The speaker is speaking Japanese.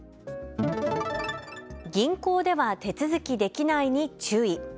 銀行では手続きできないに注意。